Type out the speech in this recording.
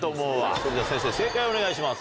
それでは先生正解をお願いします。